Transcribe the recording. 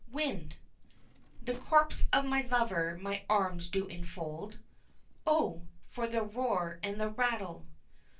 Wind. The corpse of my lover my arms do enfold, (Oh! for the roar and the rattle.)